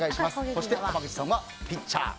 そして濱口さんはピッチャー。